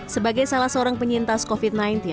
sebagai salah seorang penyintas covid sembilan belas